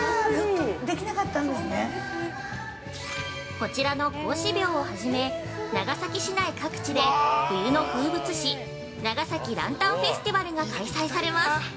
◆こちらの孔子廟をはじめ長崎市内各地で、冬の風物詩長崎ランタンフェスティバルが開催されます！